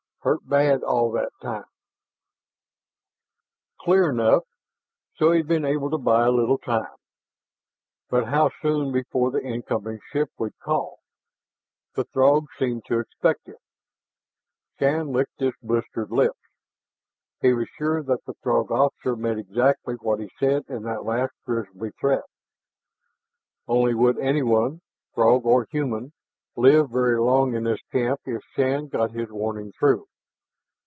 Hurt bad all that time " Clear enough. So he had been able to buy a little time! But how soon before the incoming ship would call? The Throgs seemed to expect it. Shann licked his blistered lips. He was sure that the Throg officer meant exactly what he said in that last grisly threat. Only, would anyone Throg or human live very long in this camp if Shann got his warning through?